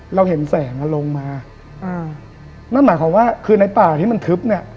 เราเห็นแสงอ่ะลงมาอ่านั่นหมายความว่าคือในป่าที่มันทึบเนี้ย